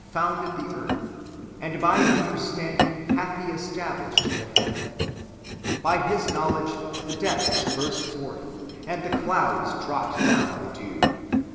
] IREN^US AGAINST HERESIES. 441 founded the earth, and by understanding hath He established the heaven. By His knowledge the depths burst forth, and the clouds dropped down the dew."